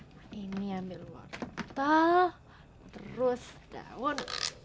nah ini ambil wortel terus daun